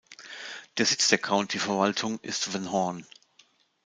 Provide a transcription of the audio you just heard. Der Sitz der County-Verwaltung ist in Van Horn.